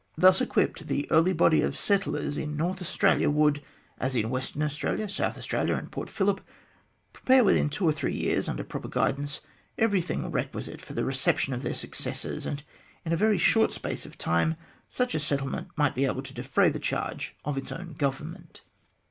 Thus equipped, the earliest body of settlers in North Australia would, as in Western Australia, South Australia, and Port Phillip, prepare within two or three years, under proper guidance, everything requisite for the reception of their successors, and in a very short space of time such a settlement might be able to defray the charge of its own government.